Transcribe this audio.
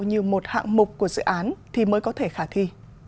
như một hạng mục của dự án thì mới có thể khả thi